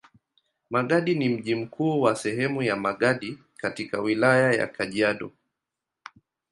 Magadi ni mji mkuu wa sehemu ya Magadi katika Wilaya ya Kajiado.